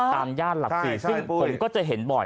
ย่านหลัก๔ซึ่งผมก็จะเห็นบ่อย